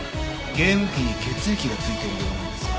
ゲーム機に血液がついてるようなんですが。